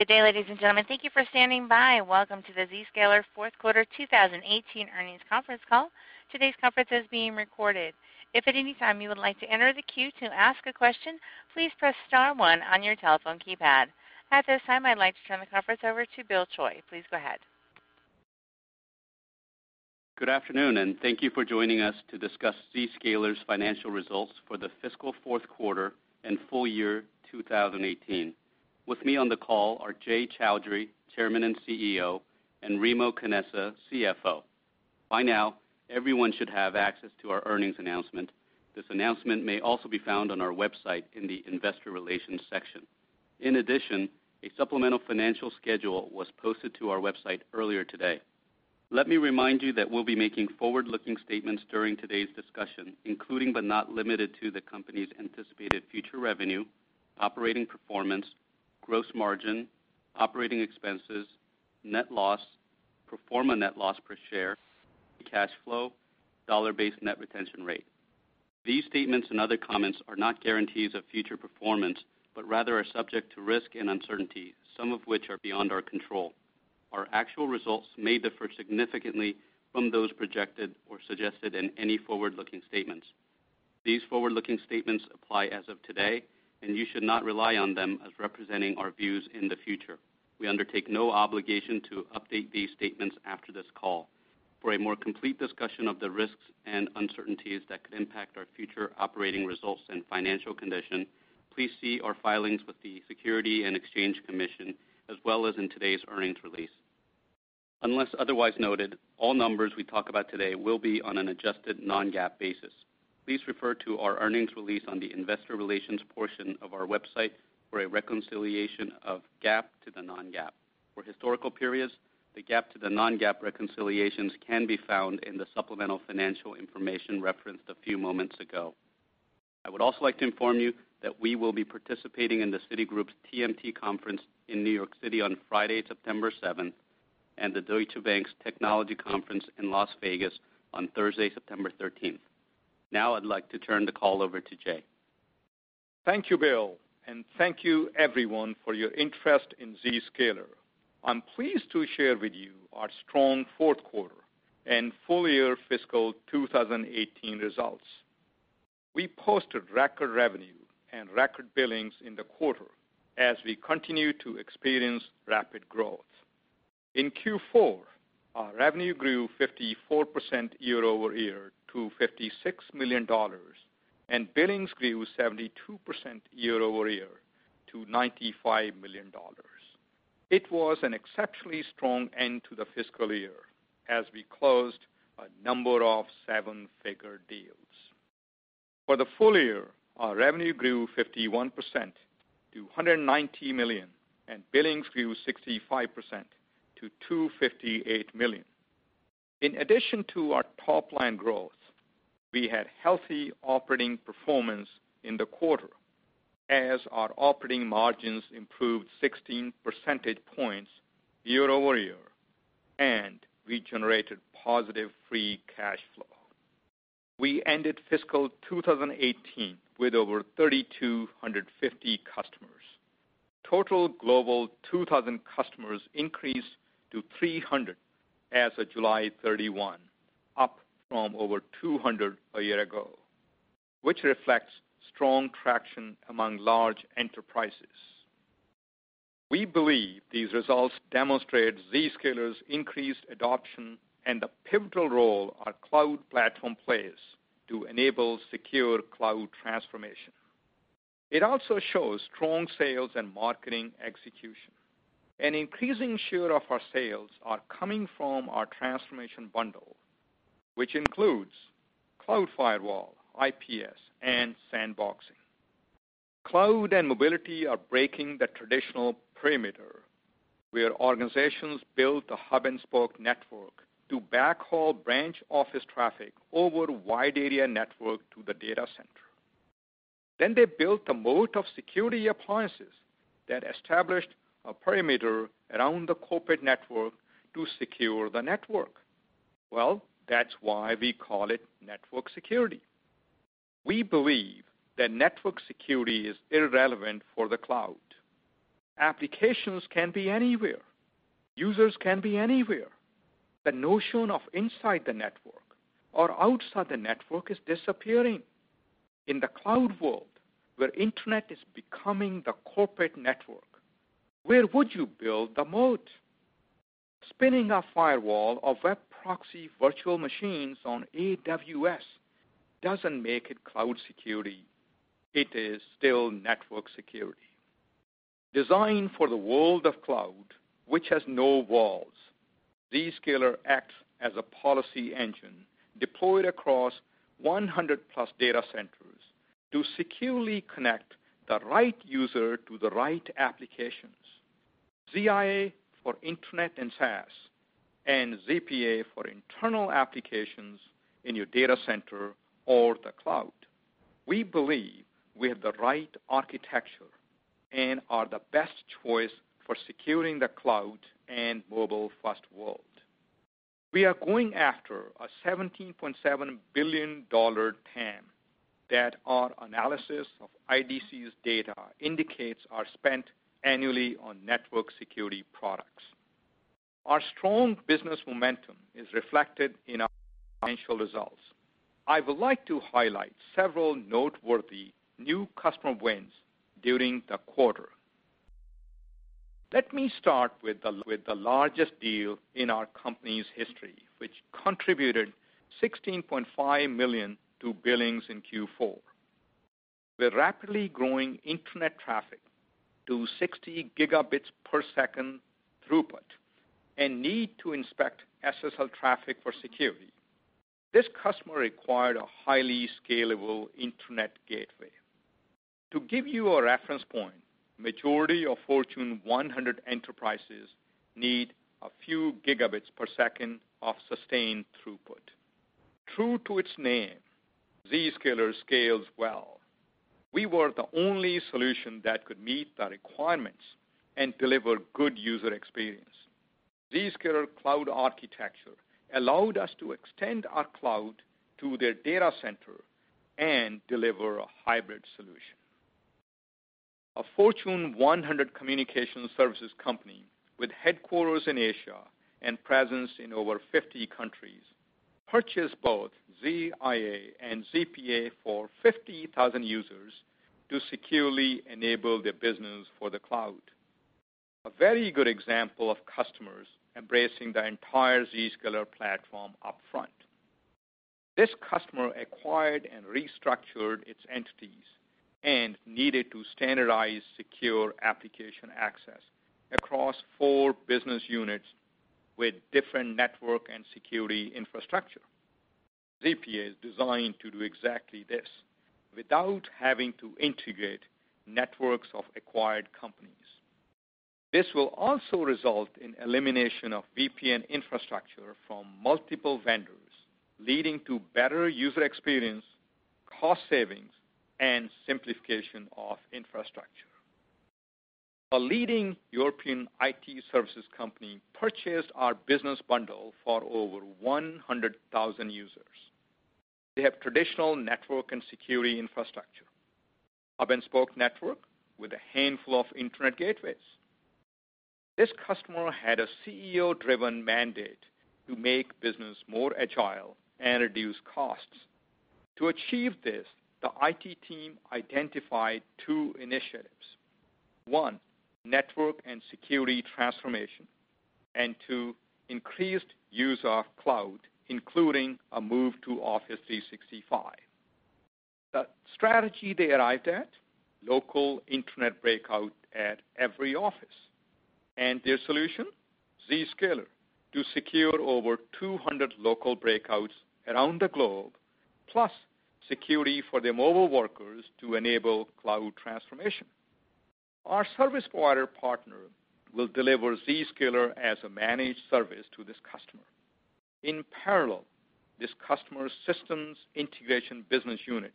Good day, ladies and gentlemen. Thank you for standing by. Welcome to the Zscaler fourth quarter 2018 earnings conference call. Today's conference is being recorded. If at any time you would like to enter the queue to ask a question, please press star one on your telephone keypad. At this time, I'd like to turn the conference over to Bill Choi. Please go ahead. Good afternoon. Thank you for joining us to discuss Zscaler's financial results for the fiscal fourth quarter and full year 2018. With me on the call are Jay Chaudhry, Chairman and CEO, and Remo Canessa, CFO. By now, everyone should have access to our earnings announcement. This announcement may also be found on our website in the investor relations section. A supplemental financial schedule was posted to our website earlier today. Let me remind you that we'll be making forward-looking statements during today's discussion, including, but not limited to the company's anticipated future revenue, operating performance, gross margin, operating expenses, net loss, pro forma net loss per share, cash flow, dollar-based net retention rate. These statements and other comments are not guarantees of future performance, but rather are subject to risk and uncertainty, some of which are beyond our control. Our actual results may differ significantly from those projected or suggested in any forward-looking statements. These forward-looking statements apply as of today. You should not rely on them as representing our views in the future. We undertake no obligation to update these statements after this call. For a more complete discussion of the risks and uncertainties that could impact our future operating results and financial condition, please see our filings with the Securities and Exchange Commission, as well as in today's earnings release. Unless otherwise noted, all numbers we talk about today will be on an adjusted non-GAAP basis. Please refer to our earnings release on the investor relations portion of our website for a reconciliation of GAAP to the non-GAAP. For historical periods, the GAAP to the non-GAAP reconciliations can be found in the supplemental financial information referenced a few moments ago. I would also like to inform you that we will be participating in the Citigroup's TMT Conference in New York City on Friday, September seventh, and the Deutsche Bank's Technology Conference in Las Vegas on Thursday, September thirteenth. I'd like to turn the call over to Jay. Thank you, Bill, and thank you everyone for your interest in Zscaler. I am pleased to share with you our strong fourth quarter and full year fiscal 2018 results. We posted record revenue and record billings in the quarter as we continue to experience rapid growth. In Q4, our revenue grew 54% year-over-year to $56 million, and billings grew 72% year-over-year to $95 million. It was an exceptionally strong end to the fiscal year as we closed a number of seven-figure deals. For the full year, our revenue grew 51% to $190 million, and billings grew 65% to $258 million. In addition to our top-line growth, we had healthy operating performance in the quarter as our operating margins improved 16 percentage points year-over-year and we generated positive free cash flow. We ended fiscal 2018 with over 3,250 customers. Total Global 2000 customers increased to 300 as of July 31, up from over 200 a year ago, which reflects strong traction among large enterprises. We believe these results demonstrate Zscaler's increased adoption and the pivotal role our cloud platform plays to enable secure cloud transformation. It also shows strong sales and marketing execution. An increasing share of our sales are coming from our transformation bundle, which includes cloud firewall, IPS, and sandboxing. Cloud and mobility are breaking the traditional perimeter where organizations built a hub-and-spoke network to backhaul branch office traffic over wide area network to the data center. They built a moat of security appliances that established a perimeter around the corporate network to secure the network. Well, that's why we call it network security. We believe that network security is irrelevant for the cloud. Applications can be anywhere. Users can be anywhere. The notion of inside the network or outside the network is disappearing. In the cloud world, where internet is becoming the corporate network, where would you build the moat? Spinning a firewall of web proxy virtual machines on AWS doesn't make it cloud security. It is still network security. Designed for the world of cloud, which has no walls, Zscaler acts as a policy engine deployed across 100 plus data centers to securely connect the right user to the right applications. ZIA for internet and SaaS and ZPA for internal applications in your data center or the cloud. We believe we have the right architecture and are the best choice for securing the cloud and mobile-first world. We are going after a $17.7 billion TAM that our analysis of IDC's data indicates are spent annually on network security products. Our strong business momentum is reflected in our financial results. I would like to highlight several noteworthy new customer wins during the quarter. Let me start with the largest deal in our company's history, which contributed $16.5 million to billings in Q4. With rapidly growing internet traffic to 60 gigabits per second throughput and need to inspect SSL traffic for security, this customer required a highly scalable internet gateway. To give you a reference point, majority of Fortune 100 enterprises need a few gigabits per second of sustained throughput. True to its name, Zscaler scales well. We were the only solution that could meet the requirements and deliver good user experience. Zscaler cloud architecture allowed us to extend our cloud to their data center and deliver a hybrid solution. A Fortune 100 communication services company with headquarters in Asia and presence in over 50 countries, purchased both ZIA and ZPA for 50,000 users to securely enable their business for the cloud. A very good example of customers embracing the entire Zscaler platform upfront. This customer acquired and restructured its entities and needed to standardize secure application access across four business units with different network and security infrastructure. ZPA is designed to do exactly this without having to integrate networks of acquired companies. This will also result in elimination of VPN infrastructure from multiple vendors, leading to better user experience, cost savings, and simplification of infrastructure. A leading European IT services company purchased our business bundle for over 100,000 users. They have traditional network and security infrastructure, hub and spoke network with a handful of internet gateways. This customer had a CEO-driven mandate to make business more agile and reduce costs. To achieve this, the IT team identified two initiatives. One, network and security transformation, and two, increased use of cloud, including a move to Office 365. The strategy they arrived at, local internet breakout at every office. Their solution, Zscaler, to secure over 200 local breakouts around the globe, plus security for their mobile workers to enable cloud transformation. Our service provider partner will deliver Zscaler as a managed service to this customer. In parallel, this customer's systems integration business unit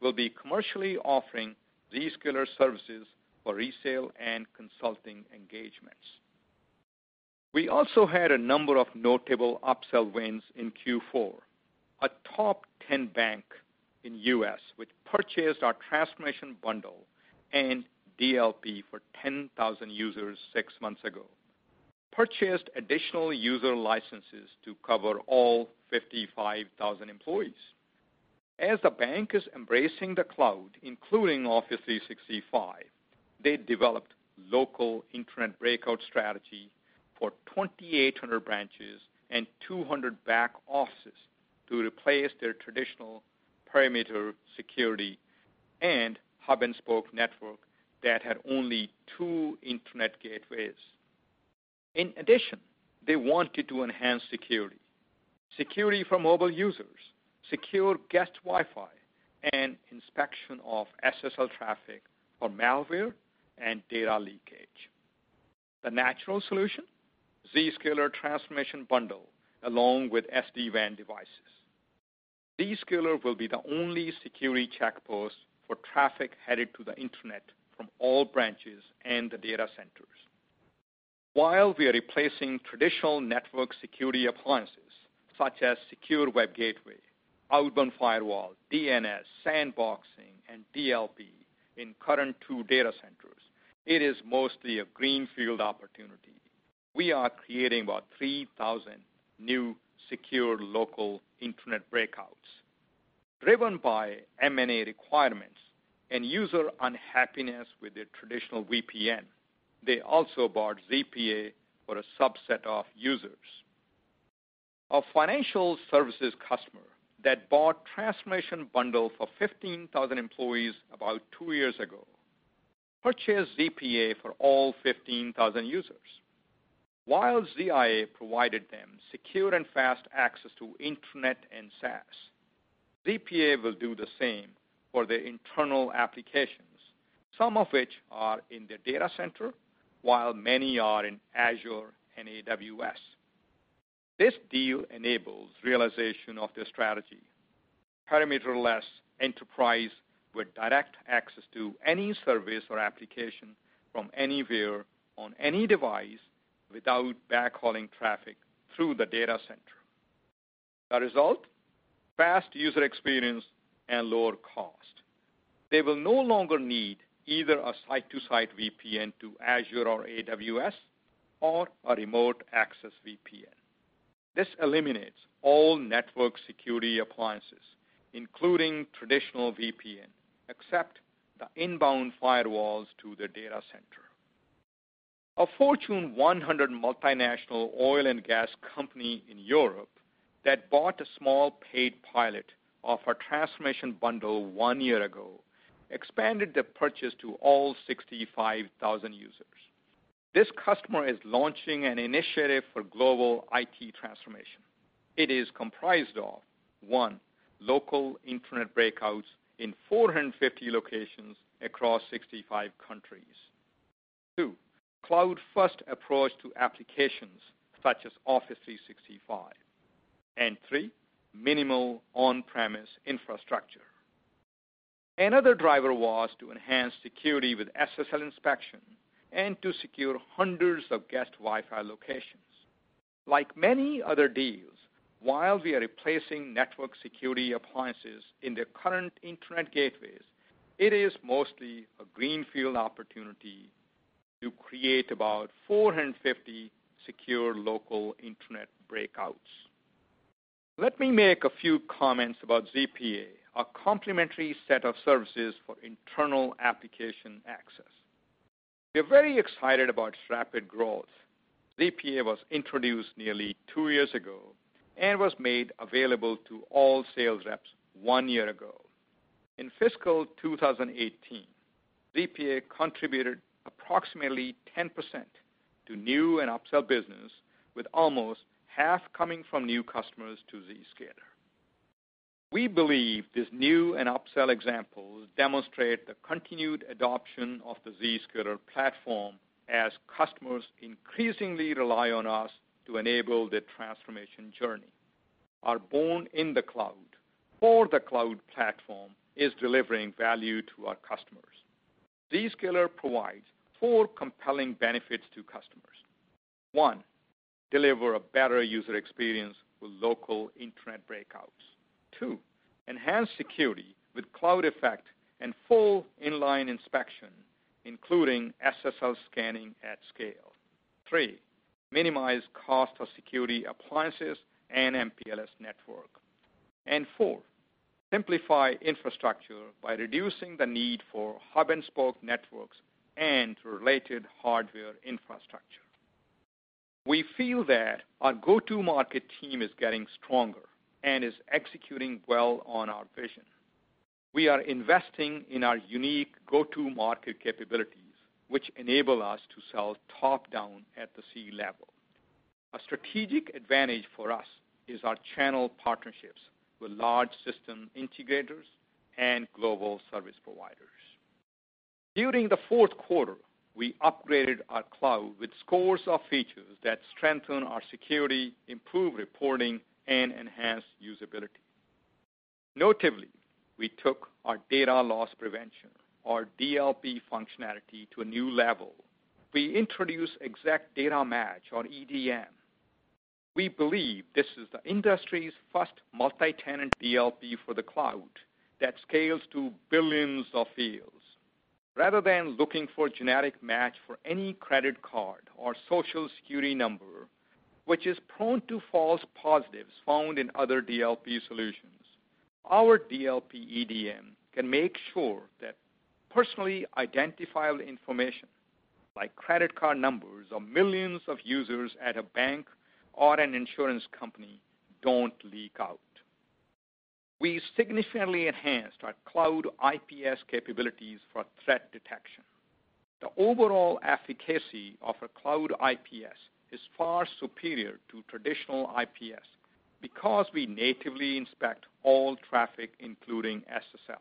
will be commercially offering Zscaler services for resale and consulting engagements. We also had a number of notable upsell wins in Q4. A top 10 bank in U.S., which purchased our transformation bundle and DLP for 10,000 users six months ago, purchased additional user licenses to cover all 55,000 employees. As the bank is embracing the cloud, including Office 365, they developed local internet breakout strategy for 2,800 branches and 200 back offices to replace their traditional perimeter security and hub and spoke network that had only two internet gateways. In addition, they wanted to enhance security for mobile users, secure guest Wi-Fi, and inspection of SSL traffic for malware and data leakage. The natural solution, Zscaler transformation bundle along with SD-WAN devices. Zscaler will be the only security check post for traffic headed to the internet from all branches and the data centers. While we are replacing traditional network security appliances such as secure web gateway, outbound firewall, DNS, sandboxing, and DLP in current two data centers, it is mostly a greenfield opportunity. We are creating about 3,000 new secured local internet breakouts. Driven by M&A requirements and user unhappiness with their traditional VPN, they also bought ZPA for a subset of users. A financial services customer that bought transformation bundle for 15,000 employees about two years ago purchased ZPA for all 15,000 users. While ZIA provided them secure and fast access to internet and SaaS, ZPA will do the same for their internal applications, some of which are in their data center, while many are in Azure and AWS. This deal enables realization of their strategy Perimeter-less enterprise with direct access to any service or application from anywhere on any device without backhauling traffic through the data center. The result, fast user experience and lower cost. They will no longer need either a site-to-site VPN to Azure or AWS or a remote access VPN. This eliminates all network security appliances, including traditional VPN, except the inbound firewalls to the data center. A Fortune 100 multinational oil and gas company in Europe that bought a small paid pilot of our transformation bundle one year ago expanded the purchase to all 65,000 users. This customer is launching an initiative for global IT transformation. It is comprised of, one, local internet breakouts in 450 locations across 65 countries. Two, cloud-first approach to applications such as Office 365. Three, minimal on-premise infrastructure. Another driver was to enhance security with SSL inspection and to secure hundreds of guest Wi-Fi locations. Like many other deals, while we are replacing network security appliances in their current internet gateways, it is mostly a greenfield opportunity to create about 450 secure local internet breakouts. Let me make a few comments about ZPA, a complimentary set of services for internal application access. We're very excited about its rapid growth. ZPA was introduced nearly two years ago and was made available to all sales reps one year ago. In fiscal 2018, ZPA contributed approximately 10% to new and upsell business, with almost half coming from new customers to Zscaler. We believe this new and upsell examples demonstrate the continued adoption of the Zscaler platform as customers increasingly rely on us to enable their transformation journey. Zscaler provides four compelling benefits to customers. One, deliver a better user experience with local internet breakouts. Two, enhance security with cloud effect and full inline inspection, including SSL scanning at scale. Three, minimize cost of security appliances and MPLS network. Four, simplify infrastructure by reducing the need for hub-and-spoke networks and related hardware infrastructure. We feel that our go-to-market team is getting stronger and is executing well on our vision. We are investing in our unique go-to-market capabilities, which enable us to sell top-down at the C-level. A strategic advantage for us is our channel partnerships with large system integrators and global service providers. During the fourth quarter, we upgraded our cloud with scores of features that strengthen our security, improve reporting, and enhance usability. Notably, we took our data loss prevention, or DLP functionality, to a new level. We introduced Exact Data Match, or EDM. We believe this is the industry's first multi-tenant DLP for the cloud that scales to billions of fields. Rather than looking for a generic match for any credit card or Social Security number, which is prone to false positives found in other DLP solutions, our DLP EDM can make sure that personally identifiable information like credit card numbers of millions of users at a bank or an insurance company don't leak out. We significantly enhanced our cloud IPS capabilities for threat detection. The overall efficacy of a cloud IPS is far superior to traditional IPS because we natively inspect all traffic, including SSL.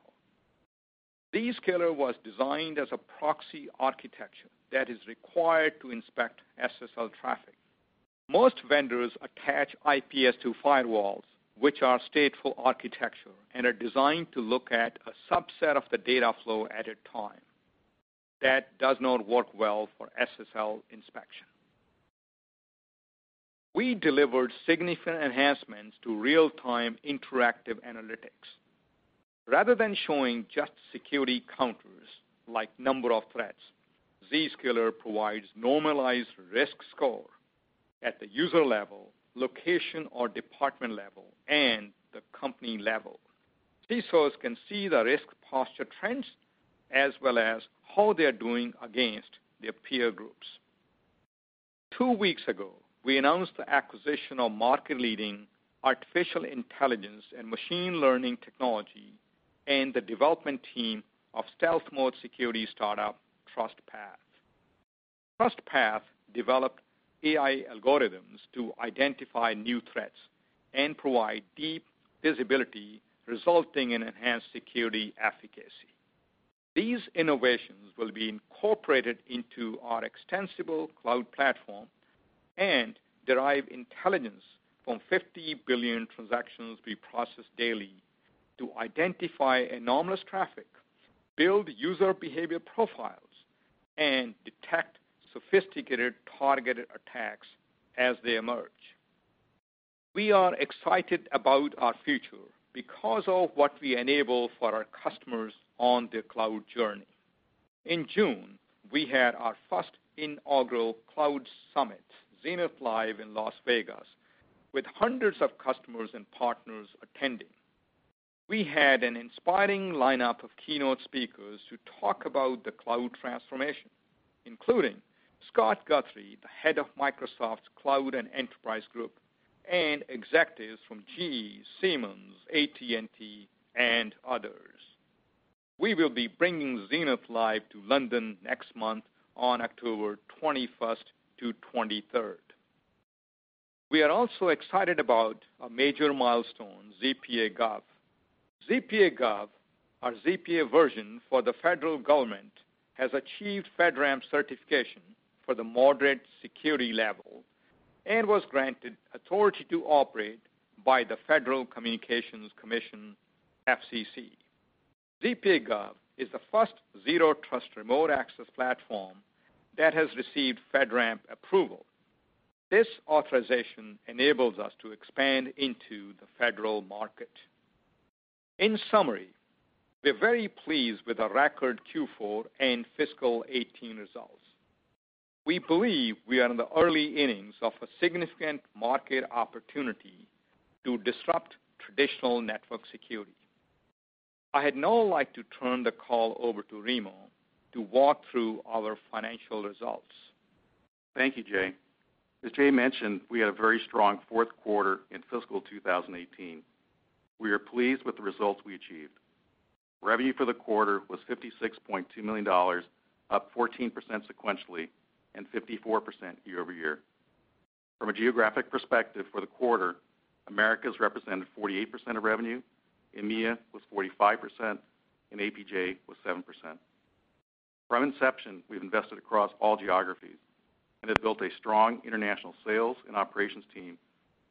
Zscaler was designed as a proxy architecture that is required to inspect SSL traffic. Most vendors attach IPS to firewalls, which are stateful architecture and are designed to look at a subset of the data flow at a time. That does not work well for SSL inspection. We delivered significant enhancements to real-time interactive analytics. Rather than showing just security counters, like number of threats, Zscaler provides normalized risk score at the user level, location or department level, and the company level. CSOs can see the risk posture trends as well as how they're doing against their peer groups. Two weeks ago, we announced the acquisition of market-leading artificial intelligence and machine learning technology and the development team of stealth mode security startup, TrustPath. TrustPath developed AI algorithms to identify new threats and provide deep visibility, resulting in enhanced security efficacy. These innovations will be incorporated into our extensible cloud platform and derive intelligence from 50 billion transactions we process daily to identify anomalous traffic, build user behavior profiles, and detect sophisticated targeted attacks as they emerge. We are excited about our future because of what we enable for our customers on their cloud journey. In June, we had our first inaugural cloud summit, Zenith Live, in Las Vegas, with hundreds of customers and partners attending. We had an inspiring lineup of keynote speakers who talked about the cloud transformation, including Scott Guthrie, the head of Microsoft's Cloud and Enterprise Group, and executives from GE, Siemens, AT&T, and others. We will be bringing Zenith Live to London next month on October 21st to 23rd. We are also excited about a major milestone, ZPA Gov. ZPA Gov, our ZPA version for the federal government, has achieved FedRAMP certification for the moderate security level and was granted authority to operate by the Federal Communications Commission, FCC. ZPA Gov is the first zero trust remote access platform that has received FedRAMP approval. This authorization enables us to expand into the federal market. In summary, we're very pleased with our record Q4 and fiscal 2018 results. We believe we are in the early innings of a significant market opportunity to disrupt traditional network security. I'd now like to turn the call over to Remo to walk through our financial results. Thank you, Jay. As Jay mentioned, we had a very strong fourth quarter in fiscal 2018. We are pleased with the results we achieved. Revenue for the quarter was $56.2 million, up 14% sequentially and 54% year-over-year. From a geographic perspective for the quarter, Americas represented 48% of revenue, EMEA was 45%, and APJ was 7%. From inception, we've invested across all geographies and have built a strong international sales and operations team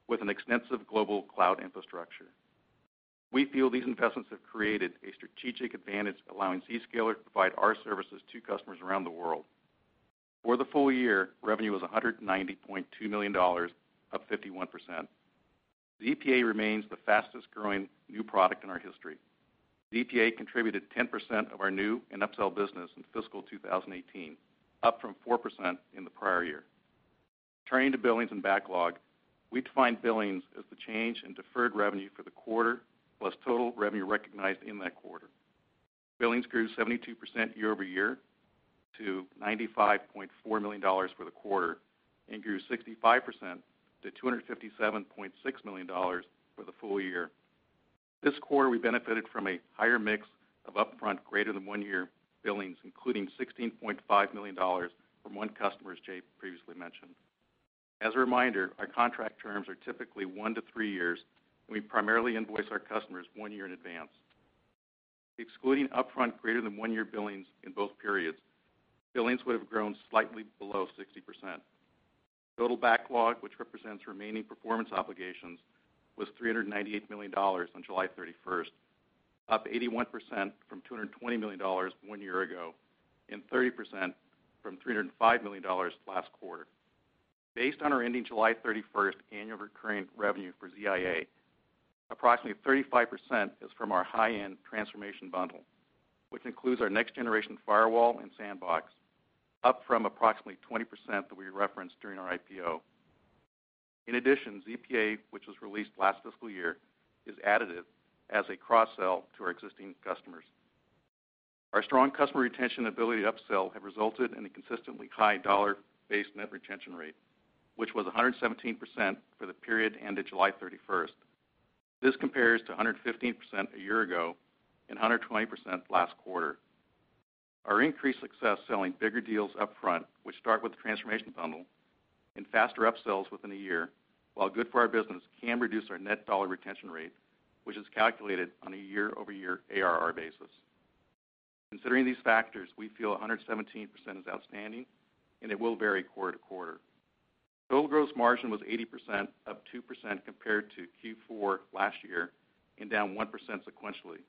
with an extensive global cloud infrastructure. We feel these investments have created a strategic advantage allowing Zscaler to provide our services to customers around the world. For the full year, revenue was $190.2 million, up 51%. ZPA remains the fastest-growing new product in our history. ZPA contributed 10% of our new and upsell business in fiscal 2018, up from 4% in the prior year. Turning to billings and backlog, we define billings as the change in deferred revenue for the quarter plus total revenue recognized in that quarter. Billings grew 72% year-over-year to $95.4 million for the quarter and grew 65% to $257.6 million for the full year. This quarter, we benefited from a higher mix of upfront, greater than one-year billings, including $16.5 million from one customer, as Jay previously mentioned. As a reminder, our contract terms are typically 1 to 3 years, and we primarily invoice our customers one year in advance. Excluding upfront greater than one-year billings in both periods, billings would have grown slightly below 60%. Total backlog, which represents remaining performance obligations, was $398 million on July 31st, up 81% from $220 million one year ago and 30% from $305 million last quarter. Based on our ending July 31st annual recurring revenue for ZIA, approximately 35% is from our high-end transformation bundle, which includes our next-generation firewall and sandbox, up from approximately 20% that we referenced during our IPO. In addition, ZPA, which was released last fiscal year, is additive as a cross-sell to our existing customers. Our strong customer retention ability to upsell have resulted in a consistently high dollar-based net retention rate, which was 117% for the period ending July 31st. This compares to 115% a year ago and 120% last quarter. Our increased success selling bigger deals up front, which start with the transformation bundle, and faster upsells within a year, while good for our business, can reduce our net dollar retention rate, which is calculated on a year-over-year ARR basis. Considering these factors, we feel 117% is outstanding, and it will vary quarter to quarter. Total gross margin was 80%, up 2% compared to Q4 last year and down 1% sequentially.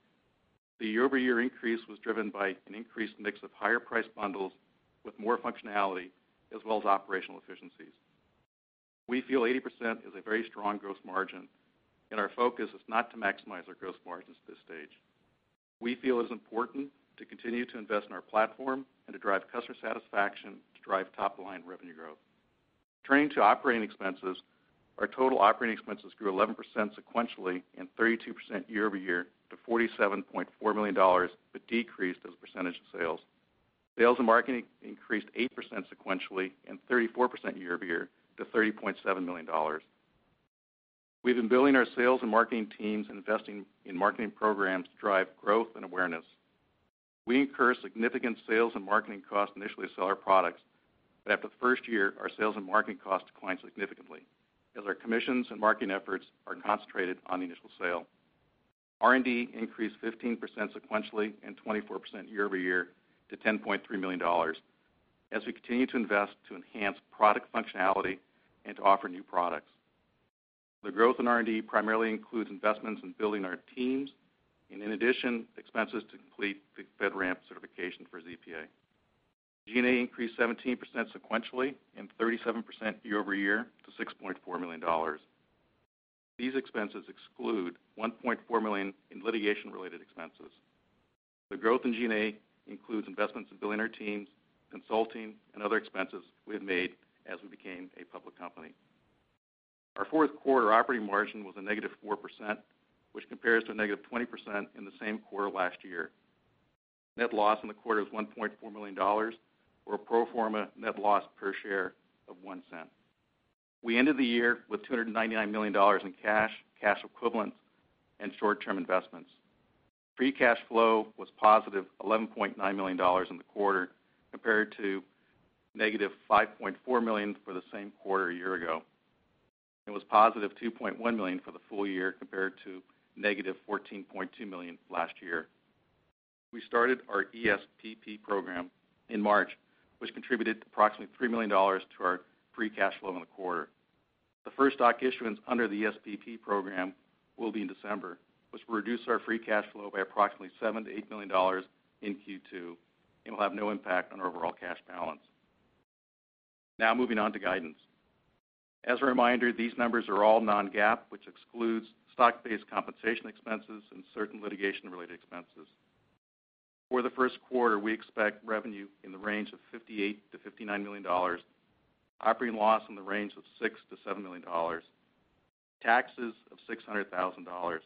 The year-over-year increase was driven by an increased mix of higher-priced bundles with more functionality, as well as operational efficiencies. We feel 80% is a very strong gross margin, and our focus is not to maximize our gross margins at this stage. We feel it's important to continue to invest in our platform and to drive customer satisfaction to drive top-line revenue growth. Turning to operating expenses, our total operating expenses grew 11% sequentially and 32% year-over-year to $47.4 million but decreased as a percentage of sales. Sales and marketing increased 8% sequentially and 34% year-over-year to $30.7 million. We've been building our sales and marketing teams and investing in marketing programs to drive growth and awareness. We incur significant sales and marketing costs initially to sell our products. After the first year, our sales and marketing costs declined significantly, as our commissions and marketing efforts are concentrated on the initial sale. R&D increased 15% sequentially and 24% year-over-year to $10.3 million as we continue to invest to enhance product functionality and to offer new products. The growth in R&D primarily includes investments in building our teams, and in addition, expenses to complete the FedRAMP certification for ZPA. G&A increased 17% sequentially and 37% year-over-year to $6.4 million. These expenses exclude $1.4 million in litigation-related expenses. The growth in G&A includes investments in building our teams, consulting, and other expenses we have made as we became a public company. Our fourth quarter operating margin was a negative 4%, which compares to negative 20% in the same quarter last year. Net loss in the quarter was $1.4 million, or a pro forma net loss per share of $0.01. We ended the year with $299 million in cash equivalents, and short-term investments. Free cash flow was positive $11.9 million in the quarter, compared to negative $5.4 million for the same quarter a year ago. It was positive $2.1 million for the full year, compared to negative $14.2 million last year. We started our ESPP program in March, which contributed approximately $3 million to our free cash flow in the quarter. The first stock issuance under the ESPP program will be in December, which will reduce our free cash flow by approximately $7 million-$8 million in Q2 and will have no impact on our overall cash balance. Moving on to guidance. As a reminder, these numbers are all non-GAAP, which excludes stock-based compensation expenses and certain litigation-related expenses. For the first quarter, we expect revenue in the range of $58 million-$59 million, operating loss in the range of $6 million-$7 million, taxes of $600,000,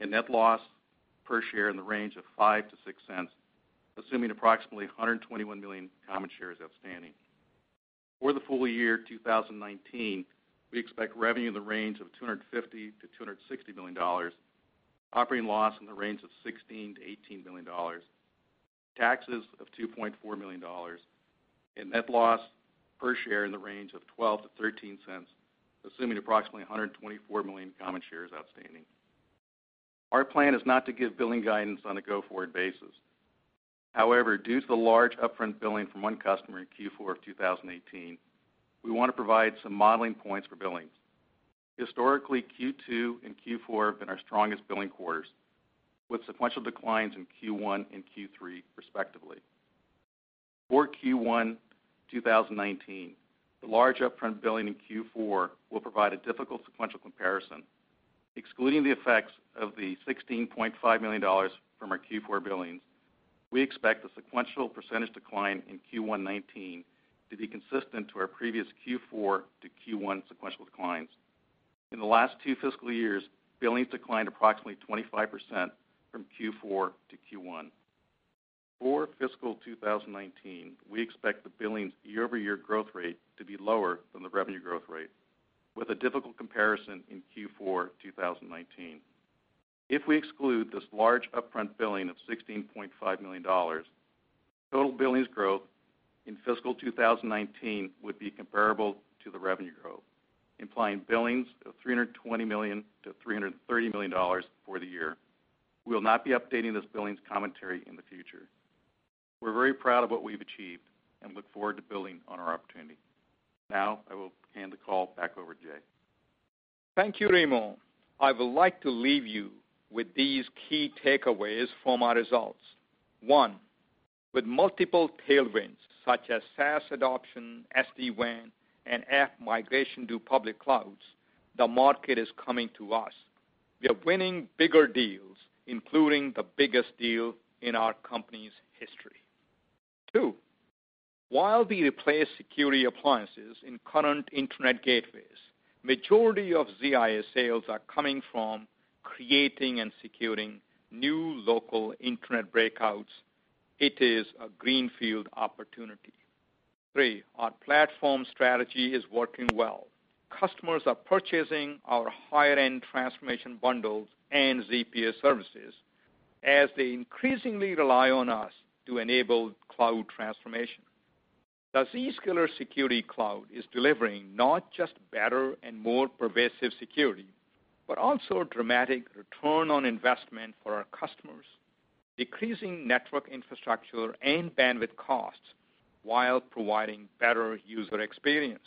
and net loss per share in the range of $0.05-$0.06, assuming approximately 121 million common shares outstanding. For the full year 2019, we expect revenue in the range of $250 million-$260 million, operating loss in the range of $16 million-$18 million, taxes of $2.4 million, and net loss per share in the range of $0.12-$0.13, assuming approximately 124 million common shares outstanding. Our plan is not to give billing guidance on a go-forward basis. Due to the large upfront billing from one customer in Q4 of 2018, we want to provide some modeling points for billings. Historically, Q2 and Q4 have been our strongest billing quarters, with sequential declines in Q1 and Q3, respectively. For Q1 2019, the large upfront billing in Q4 will provide a difficult sequential comparison. Excluding the effects of the $16.5 million from our Q4 billings, we expect the sequential percentage decline in Q1 2019 to be consistent to our previous Q4 to Q1 sequential declines. In the last two fiscal years, billings declined approximately 25% from Q4 to Q1. For fiscal 2019, we expect the billings year-over-year growth rate to be lower than the revenue growth rate, with a difficult comparison in Q4 2019. If we exclude this large upfront billing of $16.5 million, total billings growth in fiscal 2019 would be comparable to the revenue growth, implying billings of $320 million-$330 million for the year. We will not be updating this billings commentary in the future. We're very proud of what we've achieved and look forward to building on our opportunity. I will hand the call back over to Jay. Thank you, Remo. I would like to leave you with these key takeaways from our results. One, with multiple tailwinds, such as SaaS adoption, SD-WAN, and app migration to public clouds, the market is coming to us. We are winning bigger deals, including the biggest deal in our company's history. Two, while we replace security appliances in current internet gateways, majority of ZIA sales are coming from creating and securing new local internet breakouts. It is a greenfield opportunity. Three, our platform strategy is working well. Customers are purchasing our higher-end transformation bundles and ZPA services as they increasingly rely on us to enable cloud transformation. The Zscaler Security Cloud is delivering not just better and more pervasive security, but also a dramatic return on investment for our customers, decreasing network infrastructure and bandwidth costs while providing better user experience.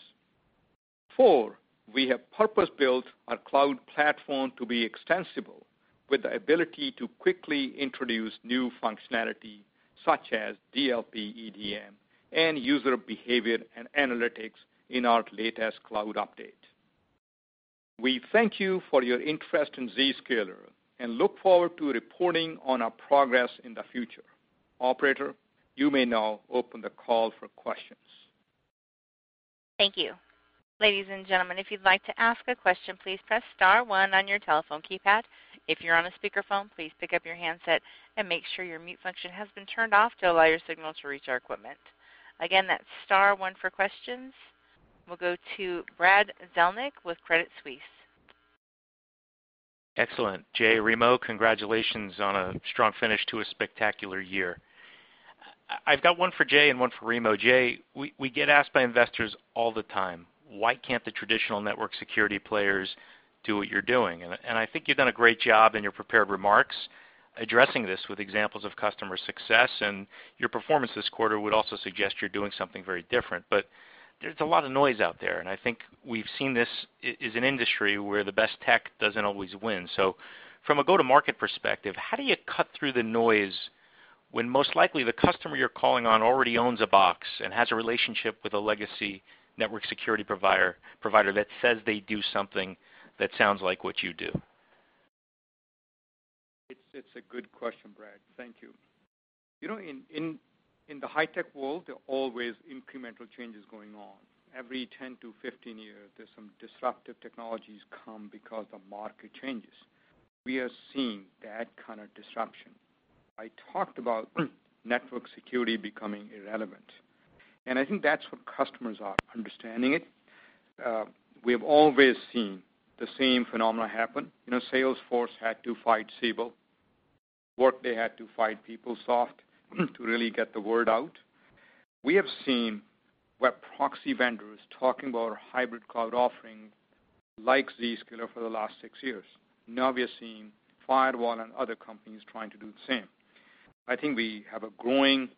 Four, we have purpose-built our cloud platform to be extensible with the ability to quickly introduce new functionality, such as DLP, EDM, and user behavior and analytics in our latest cloud update. We thank you for your interest in Zscaler and look forward to reporting on our progress in the future. Operator, you may now open the call for questions. Thank you. Ladies and gentlemen, if you'd like to ask a question, please press *1 on your telephone keypad. If you're on a speakerphone, please pick up your handset and make sure your mute function has been turned off to allow your signal to reach our equipment. Again, that's *1 for questions. We'll go to Brad Zelnick with Credit Suisse. Excellent. Jay, Remo, congratulations on a strong finish to a spectacular year. I've got one for Jay and one for Remo. Jay, we get asked by investors all the time, why can't the traditional network security players do what you're doing? I think you've done a great job in your prepared remarks addressing this with examples of customer success, and your performance this quarter would also suggest you're doing something very different. There's a lot of noise out there, and I think we've seen this is an industry where the best tech doesn't always win. From a go-to-market perspective, how do you cut through the noise when most likely the customer you're calling on already owns a box and has a relationship with a legacy network security provider that says they do something that sounds like what you do? It's a good question, Brad. Thank you. In the high tech world, there are always incremental changes going on. Every 10 to 15 years, there's some disruptive technologies come because the market changes. We are seeing that kind of disruption. I talked about network security becoming irrelevant, and I think that's what customers are understanding it. We have always seen the same phenomena happen. Salesforce had to fight Siebel, Workday had to fight PeopleSoft to really get the word out. We have seen web proxy vendors talking about our hybrid cloud offering, like Zscaler, for the last six years. Now we are seeing Firewall and other companies trying to do the same. I think we have a growing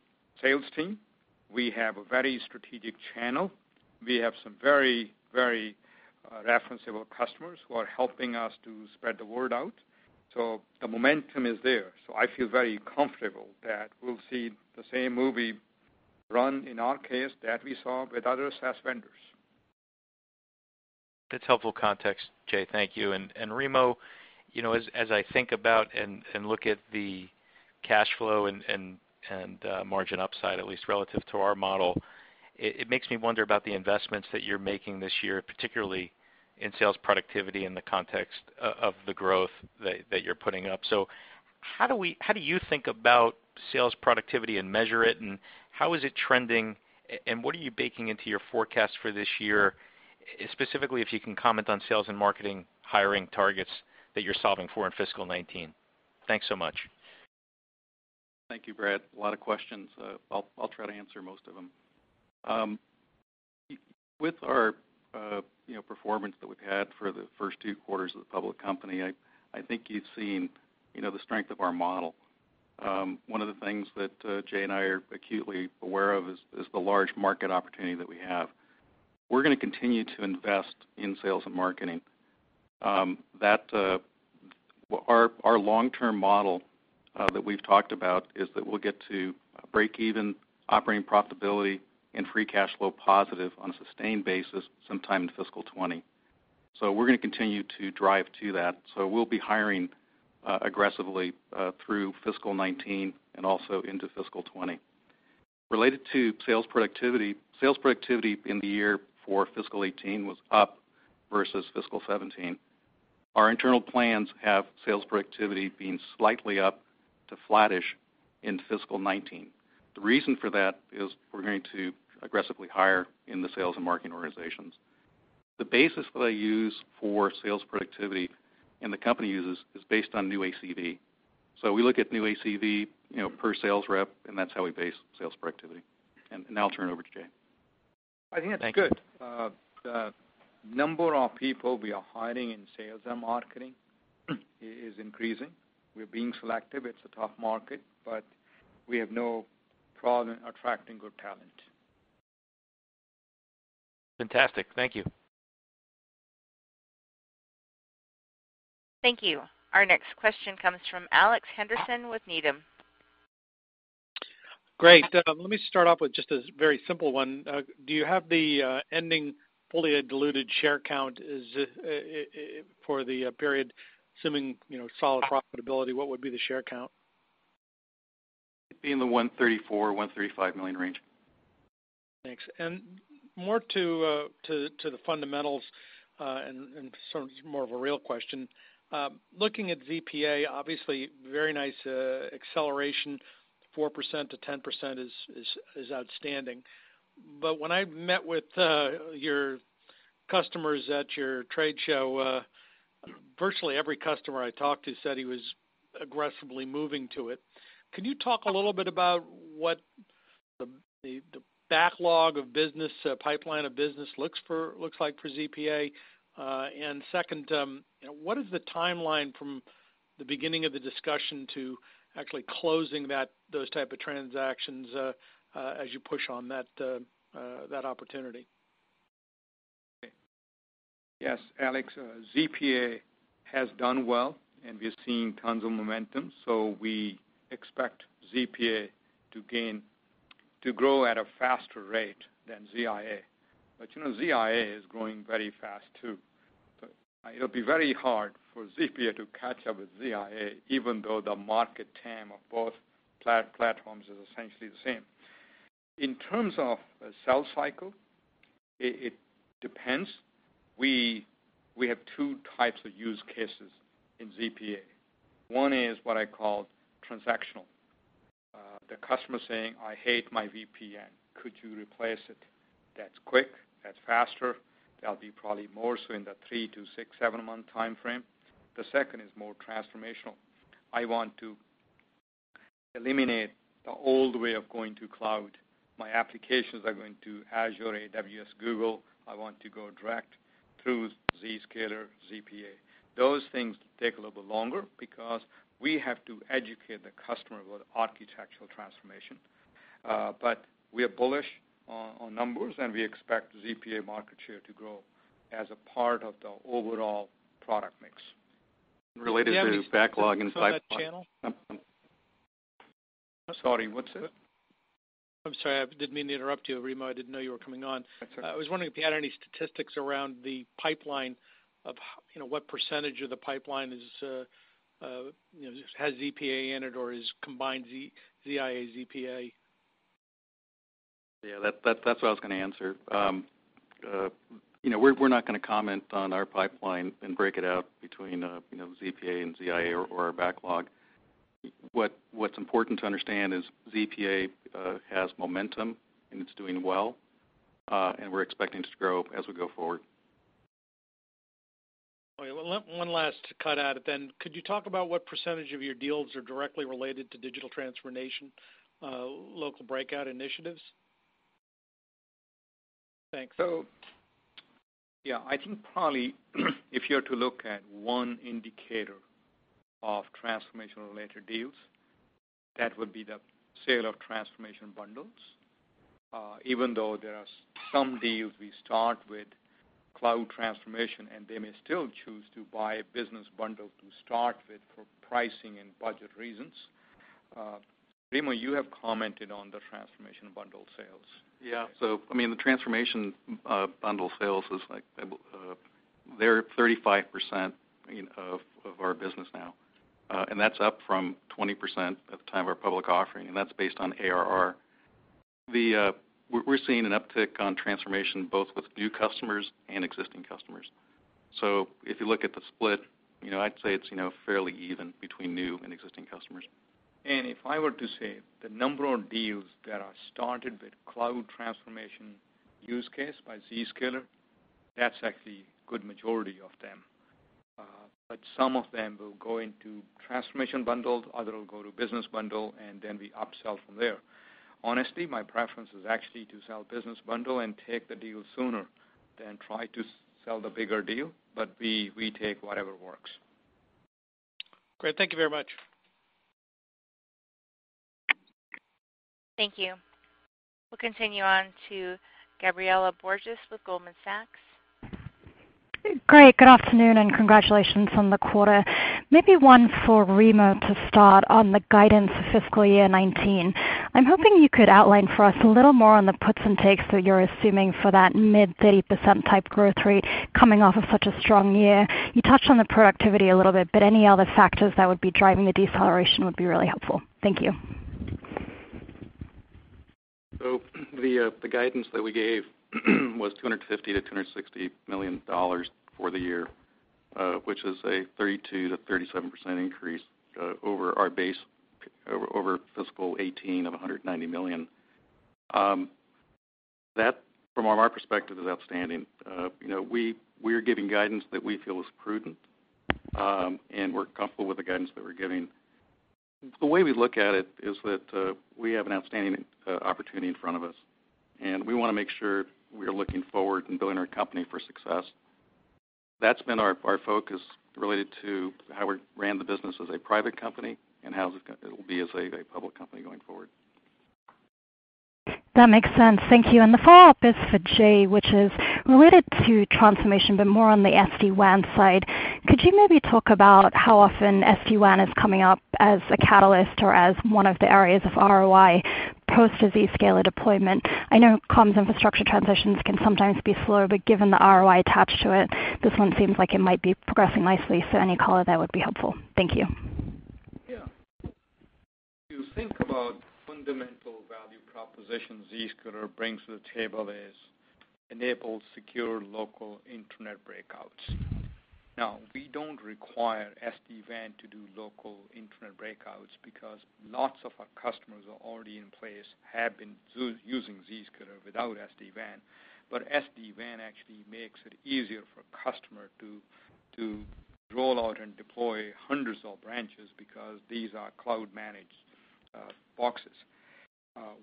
sales team. We have a very strategic channel. We have some very referencable customers who are helping us to spread the word out. The momentum is there. I feel very comfortable that we'll see the same movie run in our case that we saw with other SaaS vendors. That's helpful context, Jay. Thank you. Remo, as I think about and look at the cash flow and margin upside, at least relative to our model, it makes me wonder about the investments that you're making this year, particularly in sales productivity in the context of the growth that you're putting up. How do you think about sales productivity and measure it, and how is it trending, and what are you baking into your forecast for this year? Specifically, if you can comment on sales and marketing hiring targets that you're solving for in fiscal 2019. Thanks so much. Thank you, Brad. A lot of questions. I'll try to answer most of them. With our performance that we've had for the first two quarters of the public company, I think you've seen the strength of our model. One of the things that Jay and I are acutely aware of is the large market opportunity that we have. We're going to continue to invest in sales and marketing. Our long-term model that we've talked about is that we'll get to breakeven operating profitability and free cash flow positive on a sustained basis sometime in fiscal 2020. We're going to continue to drive to that. We'll be hiring aggressively through fiscal 2019 and also into fiscal 2020. Related to sales productivity, sales productivity in the year for fiscal 2018 was up versus fiscal 2017. Our internal plans have sales productivity being slightly up to flattish in fiscal 2019. The reason for that is we're going to aggressively hire in the sales and marketing organizations. The basis that I use for sales productivity, and the company uses, is based on new ACV. We look at new ACV per sales rep, and that's how we base sales productivity. Now I'll turn it over to Jay. Thank you. I think that's good. The number of people we are hiring in sales and marketing is increasing. We're being selective. It's a tough market, but we have no problem attracting good talent. Fantastic. Thank you. Thank you. Our next question comes from Alex Henderson with Needham. Great. Let me start off with just a very simple one. Do you have the ending fully diluted share count? For the period assuming solid profitability, what would be the share count? It'd be in the $134 million-$135 million range. Thanks. More to the fundamentals, this is more of a real question. Looking at ZPA, obviously very nice acceleration. 4%-10% is outstanding. When I met with your customers at your trade show, virtually every customer I talked to said he was aggressively moving to it. Can you talk a little bit about what the backlog of business, pipeline of business looks like for ZPA? Second, what is the timeline from the beginning of the discussion to actually closing those type of transactions as you push on that opportunity? Yes, Alex, ZPA has done well, and we are seeing tons of momentum. We expect ZPA to grow at a faster rate than ZIA. ZIA is growing very fast, too. It'll be very hard for ZPA to catch up with ZIA, even though the market TAM of both platforms is essentially the same. In terms of sales cycle, it depends. We have 2 types of use cases in ZPA. One is what I call transactional. The customer saying, "I hate my VPN. Could you replace it?" That's quick, that's faster. That'll be probably more so in the three to six, seven-month timeframe. The second is more transformational. I want to eliminate the old way of going to cloud. My applications are going to Azure, AWS, Google. I want to go direct through Zscaler, ZPA. Those things take a little bit longer because we have to educate the customer about architectural transformation. We are bullish on numbers, and we expect ZPA market share to grow as a part of the overall product mix. Related to the backlog and pipeline. Jay, can you talk about that channel? Sorry, what's that? I'm sorry. I didn't mean to interrupt you, Remo. I didn't know you were coming on. That's all right. I was wondering if you had any statistics around the pipeline of what % of the pipeline has ZPA in it or is combined ZIA, ZPA. Yeah, that's what I was going to answer. We're not going to comment on our pipeline and break it out between ZPA and ZIA or our backlog. What's important to understand is ZPA has momentum, and it's doing well, and we're expecting it to grow as we go forward. Okay. One last cut at it then. Could you talk about what % of your deals are directly related to digital transformation, local breakout initiatives? Thanks. Yeah. I think probably if you are to look at one indicator of transformational related deals, that would be the sale of transformation bundles. Even though there are some deals we start with cloud transformation, and they may still choose to buy a business bundle to start with for pricing and budget reasons. Remo, you have commented on the transformation bundle sales. Yeah. The transformation bundle sales is like 35% of our business now. That's up from 20% at the time of our public offering, and that's based on ARR. We're seeing an uptick on transformation, both with new customers and existing customers. If you look at the split, I'd say it's fairly even between new and existing customers. If I were to say the number of deals that are started with cloud transformation use case by Zscaler, that's actually good majority of them. Some of them will go into transformation bundles, others will go to business bundle, and then we upsell from there. Honestly, my preference is actually to sell business bundle and take the deal sooner than try to sell the bigger deal, but we take whatever works. Great. Thank you very much. Thank you. We'll continue on to Gabriela Borges with Goldman Sachs. Great, good afternoon, and congratulations on the quarter. Maybe one for Remo to start on the guidance for fiscal year 2019. I'm hoping you could outline for us a little more on the puts and takes that you're assuming for that mid 30% type growth rate coming off of such a strong year. You touched on the productivity a little bit, any other factors that would be driving the deceleration would be really helpful. Thank you. The guidance that we gave was $250 million-$260 million for the year, which is a 32%-37% increase over fiscal 2018 of $190 million. That, from our perspective, is outstanding. We are giving guidance that we feel is prudent, and we're comfortable with the guidance that we're giving. The way we look at it is that we have an outstanding opportunity in front of us, and we want to make sure we are looking forward and building our company for success. That's been our focus related to how we ran the business as a private company and how it'll be as a public company going forward. That makes sense. Thank you. The follow-up is for Jay, which is related to transformation, but more on the SD-WAN side. Could you maybe talk about how often SD-WAN is coming up as a catalyst or as one of the areas of ROI post the Zscaler deployment? I know comms infrastructure transitions can sometimes be slower, but given the ROI attached to it, this one seems like it might be progressing nicely. Any color there would be helpful. Thank you. Yeah. If you think about fundamental value proposition Zscaler brings to the table is enabled secure local internet breakouts. Now, we don't require SD-WAN to do local internet breakouts because lots of our customers are already in place have been using Zscaler without SD-WAN. SD-WAN actually makes it easier for a customer to roll out and deploy hundreds of branches because these are cloud-managed boxes.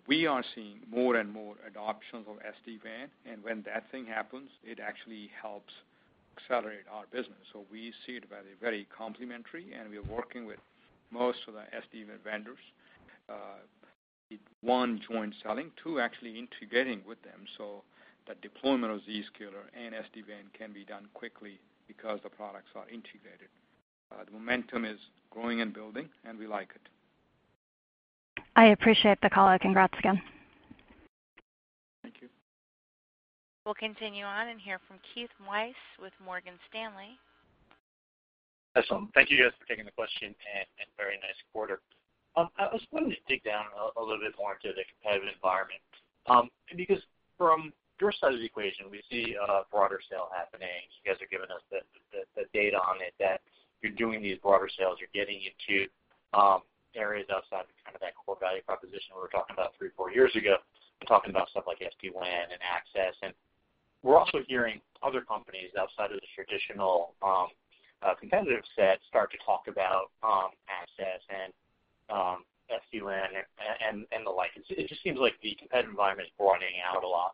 We are seeing more and more adoptions of SD-WAN, and when that thing happens, it actually helps accelerate our business. We see it very complementary, and we are working with most of the SD-WAN vendors, one, joint selling, and two, actually integrating with them, so the deployment of Zscaler and SD-WAN can be done quickly because the products are integrated. Momentum is growing and building, and we like it. I appreciate the color. Congrats again. Thank you. We'll continue on and hear from Keith Weiss with Morgan Stanley. Awesome. Thank you guys for taking the question. Very nice quarter. I was wanting to dig down a little bit more into the competitive environment. From your side of the equation, we see a broader sale happening. You guys are giving us the data on it, that you're doing these broader sales. You're getting into areas outside of that core value proposition we were talking about three, four years ago. I'm talking about stuff like SD-WAN and access. We're also hearing other companies outside of the traditional competitive set start to talk about access and SD-WAN and the like. It just seems like the competitive environment is broadening out a lot.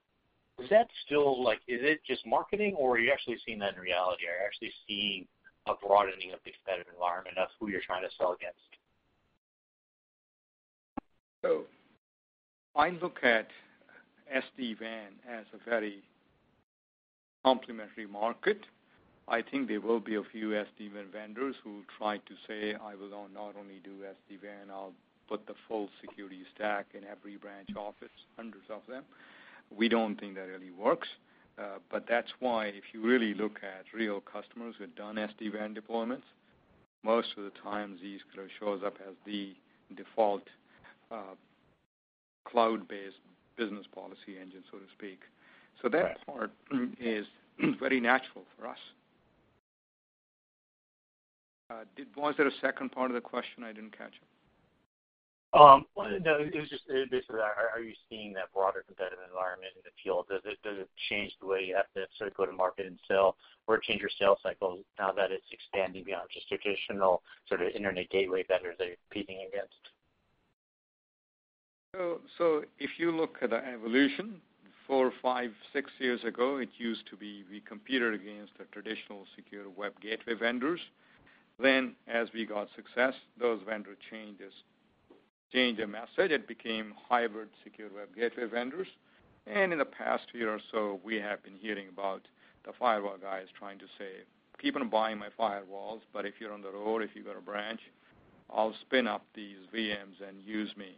Is it just marketing, or are you actually seeing that in reality? Are you actually seeing a broadening of the competitive environment of who you're trying to sell against? I look at SD-WAN as a very complimentary market. I think there will be a few SD-WAN vendors who try to say, "I will not only do SD-WAN, I'll put the full security stack in every branch office, hundreds of them." We don't think that really works. That's why if you really look at real customers who have done SD-WAN deployments, most of the time Zscaler shows up as the default cloud-based business policy engine, so to speak. Right. That part is very natural for us. Was there a second part of the question? I didn't catch it. No, it was just basically, are you seeing that broader competitive environment in the field? Does it change the way you have to sort of go to market and sell or change your sales cycle now that it's expanding beyond just traditional internet gateway vendors that you're competing against? If you look at the evolution, four, five, six years ago, it used to be we competed against the traditional secure web gateway vendors. As we got success, those vendor changed their message. It became hybrid secure web gateway vendors. In the past year or so, we have been hearing about the firewall guys trying to say, "Keep on buying my firewalls, but if you're on the road, if you've got a branch, I'll spin up these VMs and use me."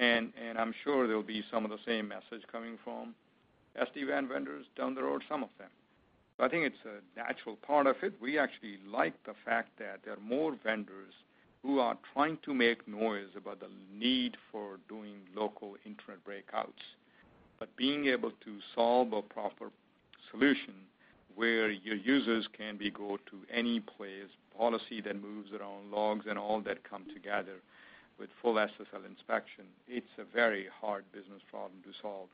I'm sure there'll be some of the same message coming from SD-WAN vendors down the road, some of them. I think it's a natural part of it. We actually like the fact that there are more vendors who are trying to make noise about the need for doing local internet breakouts. Being able to solve a proper solution where your users can go to any place, policy then moves around logs and all that come together with full SSL inspection, it's a very hard business problem to solve.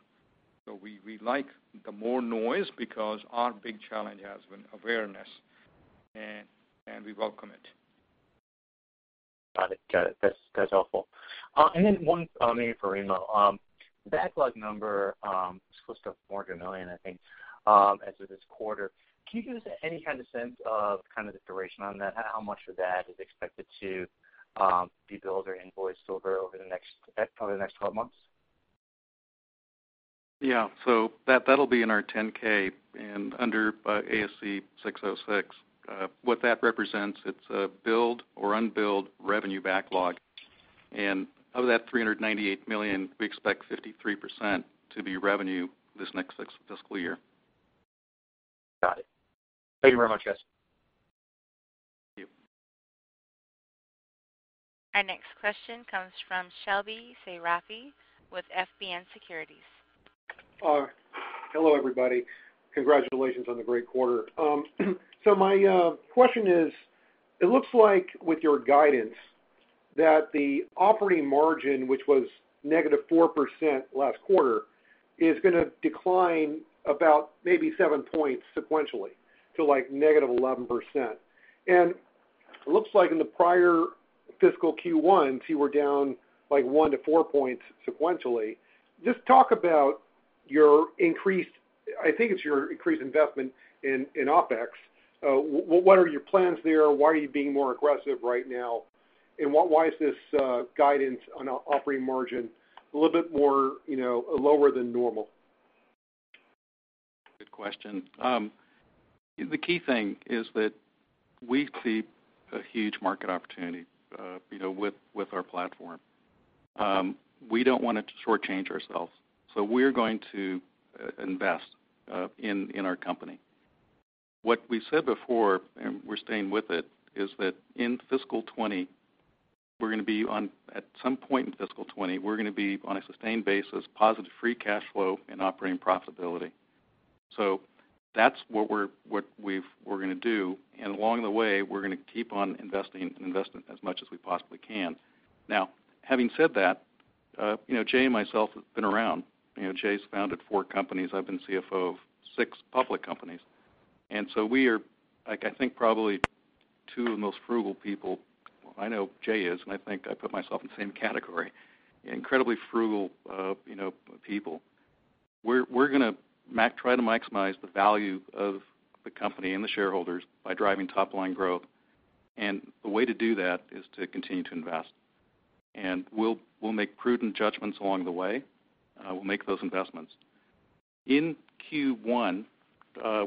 We like the more noise because our big challenge has been awareness, and we welcome it. Got it. That's helpful. One maybe for Remo. Backlog number, it was close to $400 million, I think, as of this quarter. Can you give us any kind of sense of the duration on that? How much of that is expected to be billed or invoiced over the next 12 months? That'll be in our 10-K and under ASC 606. What that represents, it's a billed or unbilled revenue backlog. Of that $398 million, we expect 53% to be revenue this next fiscal year. Got it. Thank you very much, guys. Thank you. Our next question comes from Shebly Seyrafi with FBN Securities. Hello, everybody. Congratulations on the great quarter. My question is, it looks like with your guidance that the operating margin, which was negative 4% last quarter, is going to decline about maybe 7 points sequentially to negative 11%. It looks like in the prior fiscal Q1, you were down 1-4 points sequentially. Just talk about your increased, I think it's your increased investment in OpEx. What are your plans there? Why are you being more aggressive right now? Why is this guidance on operating margin a little bit lower than normal? Good question. The key thing is that we see a huge market opportunity with our platform. We don't want to shortchange ourselves, we're going to invest in our company. What we said before, and we're staying with it, is that in fiscal 2020, we're going to be on, at some point in fiscal 2020, we're going to be on a sustained basis, positive free cash flow and operating profitability. That's what we're going to do, along the way, we're going to keep on investing as much as we possibly can. Now, having said that, Jay and myself have been around. Jay's founded four companies. I've been CFO of six public companies. We are, I think, probably two of the most frugal people. Well, I know Jay is, and I think I put myself in the same category. Incredibly frugal people. We're going to try to maximize the value of the company and the shareholders by driving top-line growth, the way to do that is to continue to invest. We'll make prudent judgments along the way. We'll make those investments. In Q1,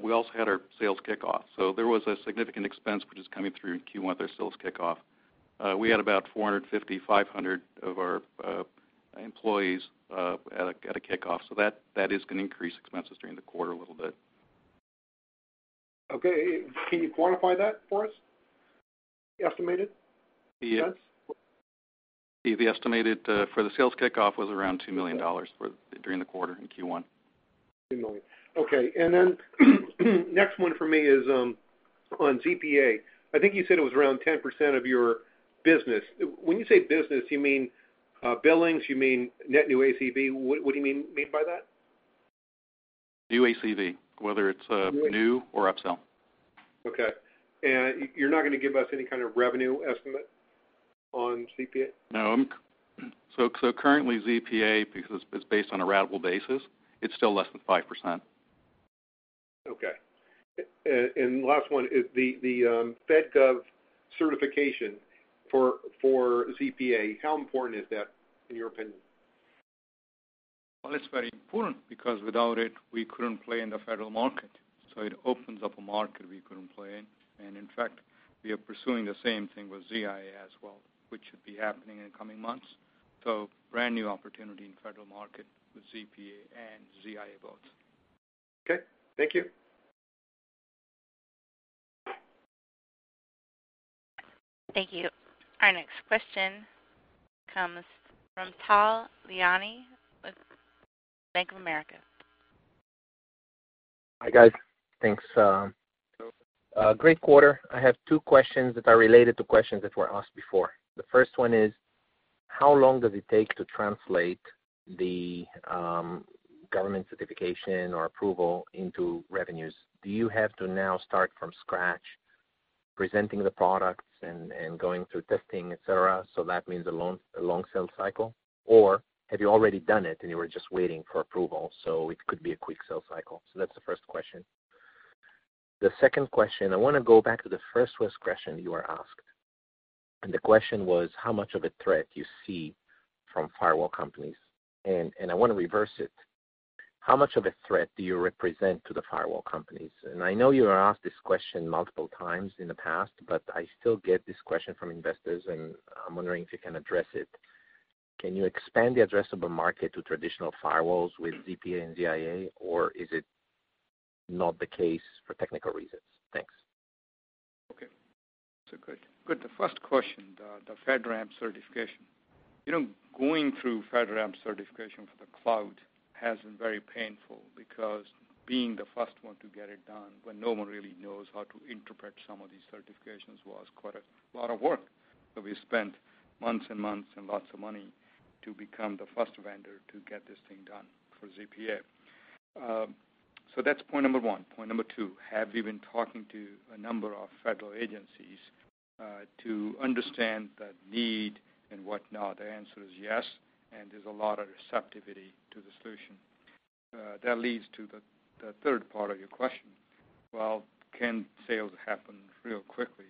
we also had our sales kickoff, there was a significant expense, which is coming through in Q1, their sales kickoff. We had about 450-500 of our employees at a kickoff. That is going to increase expenses during the quarter a little bit. Okay. Can you quantify that for us? Yes. -sense? The estimated for the sales kickoff was around $2 million during the quarter in Q1. $2 million. Okay. Next one for me is on ZPA. I think you said it was around 10% of your business. When you say business, you mean billings, you mean net new ACV? What do you mean by that? New ACV, whether it's new or upsell. Okay. You're not going to give us any kind of revenue estimate on ZPA? No. Currently, ZPA, because it's based on a ratable basis, it's still less than 5%. Okay. Last one. The FedGov certification for ZPA, how important is that, in your opinion? Well, it's very important because without it, we couldn't play in the federal market. It opens up a market we couldn't play in. In fact, we are pursuing the same thing with ZIA as well, which should be happening in the coming months. Brand new opportunity in federal market with ZPA and ZIA both. Okay. Thank you. Thank you. Our next question comes from Tal Liani with Bank of America. Hi, guys. Thanks. Hello. Great quarter. I have two questions that are related to questions that were asked before. The first one is: how long does it take to translate the government certification or approval into revenues? Do you have to now start from scratch presenting the products and going through testing, et cetera, so that means a long sales cycle? Have you already done it and you were just waiting for approval, so it could be a quick sales cycle? That's the first question. The second question, I want to go back to the first question you were asked, and the question was how much of a threat you see from firewall companies. I want to reverse it. How much of a threat do you represent to the firewall companies? I know you were asked this question multiple times in the past, I still get this question from investors, and I'm wondering if you can address it. Can you expand the addressable market to traditional firewalls with ZPA and ZIA, or is it not the case for technical reasons? Thanks. The first question, the FedRAMP certification. Going through FedRAMP certification for the cloud has been very painful because being the first one to get it done when no one really knows how to interpret some of these certifications was quite a lot of work. We spent months and months and lots of money to become the first vendor to get this thing done for ZPA. That's point 1. Point 2, have you been talking to a number of federal agencies, to understand the need and whatnot? The answer is yes, there's a lot of receptivity to the solution. That leads to the third part of your question. Can sales happen real quickly?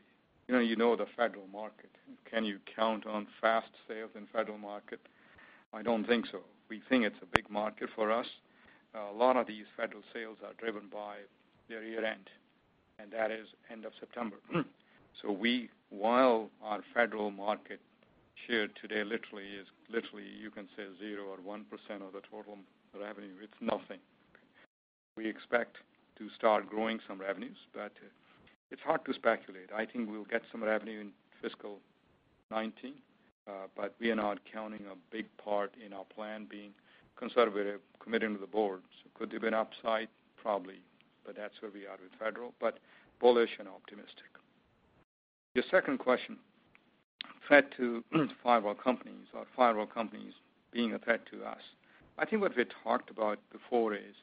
You know the federal market. Can you count on fast sales in federal market? I don't think so. We think it's a big market for us. A lot of these federal sales are driven by their year-end, that is end of September. While our federal market share today literally is, you can say zero or 1% of the total revenue, it's nothing. We expect to start growing some revenues, but it's hard to speculate. We'll get some revenue in fiscal 2019, but we are not counting a big part in our plan being conservative committing to the board. Could there be an upside? Probably, that's where we are with federal, but bullish and optimistic. Your second question, threat to firewall companies or firewall companies being a threat to us. What we talked about before is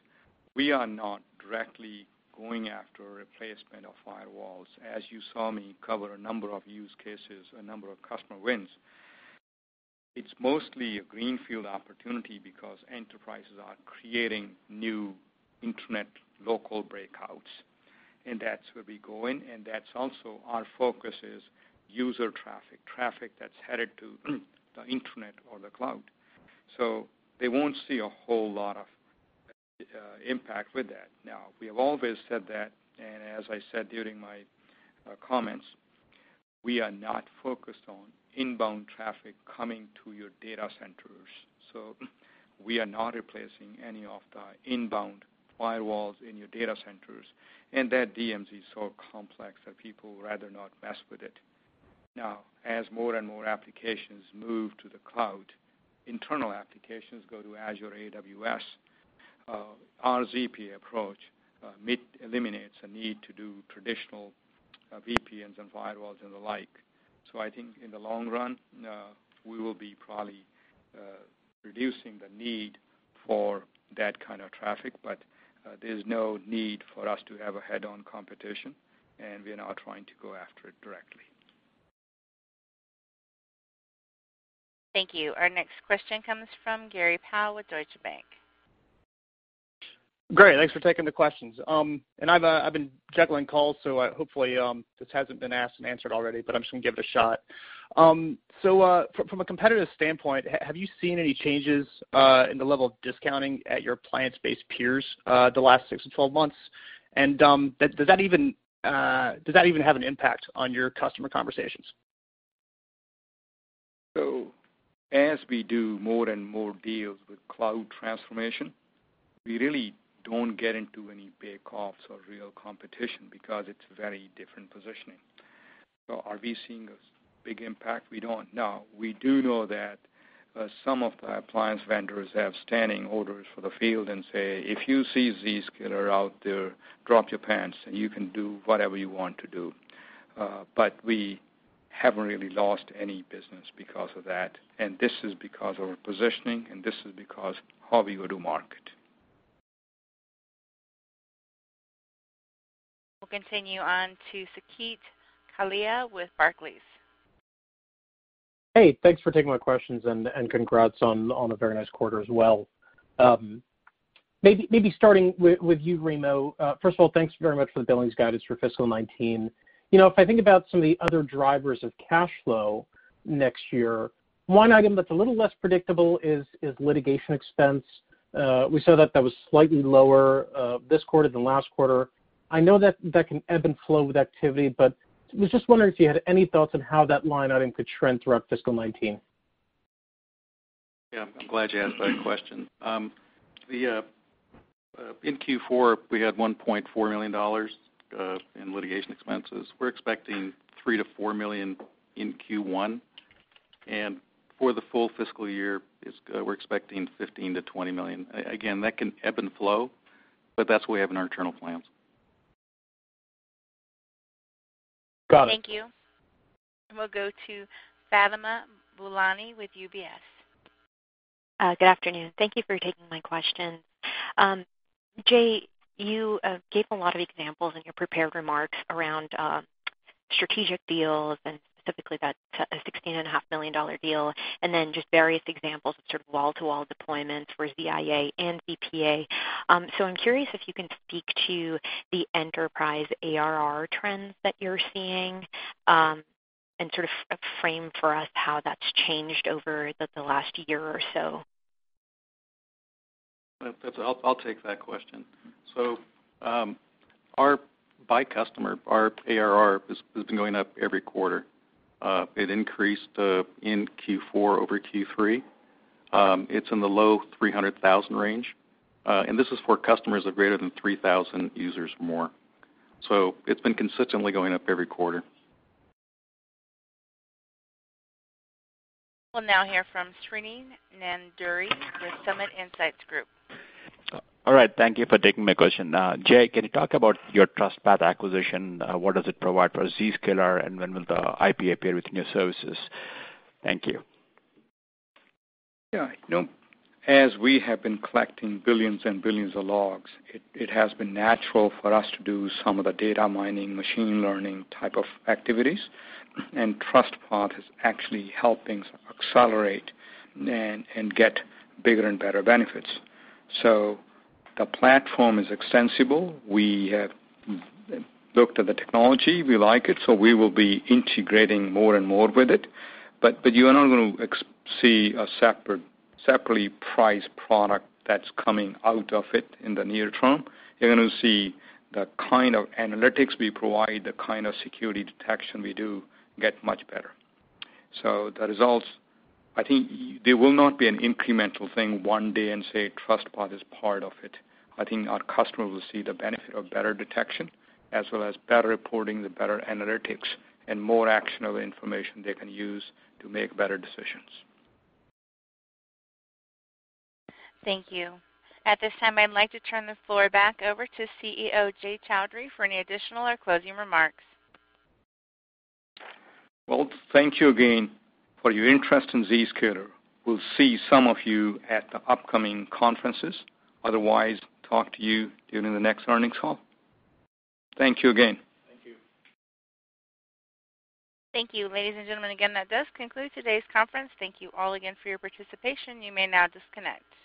we are not directly going after replacement of firewalls. As you saw me cover a number of use cases, a number of customer wins, it's mostly a greenfield opportunity because enterprises are creating new internet local breakouts, that's where we go in, that's also our focus is user traffic that's headed to the internet or the cloud. They won't see a whole lot of impact with that. We have always said that, as I said during my comments, we are not focused on inbound traffic coming to your data centers. We are not replacing any of the inbound firewalls in your data centers, and that DMZ is so complex that people would rather not mess with it. As more and more applications move to the cloud, internal applications go to Azure AWS, our ZPA approach eliminates a need to do traditional VPNs and firewalls and the like. I think in the long run, we will be probably reducing the need for that kind of traffic, but there's no need for us to have a head-on competition, and we are not trying to go after it directly. Thank you. Our next question comes from Gray Powell with Deutsche Bank. Great, thanks for taking the questions. I've been juggling calls, so hopefully, this hasn't been asked and answered already, but I'm just going to give it a shot. From a competitive standpoint, have you seen any changes in the level of discounting at your appliance-based peers the last 6-12 months? Does that even have an impact on your customer conversations? As we do more and more deals with cloud transformation, we really don't get into any bake-offs or real competition because it's a very different positioning. Are we seeing a big impact? We don't. Now, we do know that some of the appliance vendors have standing orders for the field and say, "If you see Zscaler out there, drop your pants, and you can do whatever you want to do." We haven't really lost any business because of that, and this is because of our positioning, and this is because how we go to market. We'll continue on to Saket Kalia with Barclays. Hey, thanks for taking my questions, and congrats on a very nice quarter as well. Maybe starting with you, Remo. First of all, thanks very much for the billings guidance for fiscal 2019. If I think about some of the other drivers of cash flow next year, one item that's a little less predictable is litigation expense. We saw that that was slightly lower this quarter than last quarter. I know that that can ebb and flow with activity, but was just wondering if you had any thoughts on how that line item could trend throughout fiscal 2019. Yeah. I'm glad you asked that question. In Q4, we had $1.4 million in litigation expenses. We're expecting $3 million-$4 million in Q1, and for the full fiscal year, we're expecting $15 million-$20 million. Again, that can ebb and flow, but that's what we have in our internal plans. Got it. Thank you. We'll go to Fatima Boolani with UBS. Good afternoon. Thank you for taking my question. Jay, you gave a lot of examples in your prepared remarks around strategic deals and specifically that $16.5 million deal, and then just various examples of sort of wall-to-wall deployments for ZIA and ZPA. I'm curious if you can speak to the enterprise ARR trends that you're seeing, and sort of frame for us how that's changed over the last year or so. I'll take that question. By customer, our ARR has been going up every quarter. It increased in Q4 over Q3. It's in the low $300,000 range. This is for customers of greater than 3,000 users more. It's been consistently going up every quarter. We'll now hear from Srini Nandury with Summit Insights Group. All right. Thank you for taking my question. Jay, can you talk about your TrustPath acquisition? What does it provide for Zscaler, and when will the IP appear within your services? Thank you. Yeah. As we have been collecting billions and billions of logs, it has been natural for us to do some of the data mining, machine learning type of activities. TrustPath has actually helped things accelerate and get bigger and better benefits. The platform is extensible. We have looked at the technology. We like it, so we will be integrating more and more with it. You are not going to see a separately priced product that's coming out of it in the near term. You're going to see the kind of analytics we provide, the kind of security detection we do get much better. The results, I think they will not be an incremental thing one day and say TrustPath is part of it. I think our customers will see the benefit of better detection as well as better reporting, the better analytics, and more actionable information they can use to make better decisions. Thank you. At this time, I'd like to turn the floor back over to CEO, Jay Chaudhry, for any additional or closing remarks. Well, thank you again for your interest in Zscaler. We'll see some of you at the upcoming conferences. Otherwise, talk to you during the next earnings call. Thank you again. Thank you. Thank you. Ladies and gentlemen, again, that does conclude today's conference. Thank you all again for your participation. You may now disconnect.